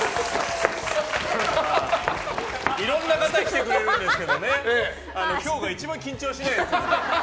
いろんな方が来てくれるんですけど今日が一番緊張しないですね。